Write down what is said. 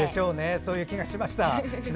そういう気がしました。